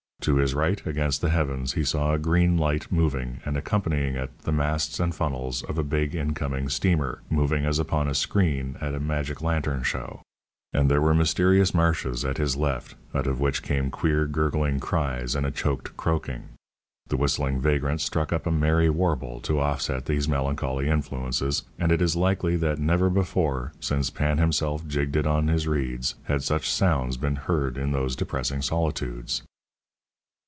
To his right, against the heavens, he saw a green light moving, and, accompanying it, the masts and funnels of a big incoming steamer, moving as upon a screen at a magic lantern show. And there were mysterious marshes at his left, out of which came queer gurgling cries and a choked croaking. The whistling vagrant struck up a merry warble to offset these melancholy influences, and it is likely that never before, since Pan himself jigged it on his reeds, had such sounds been heard in those depressing solitudes.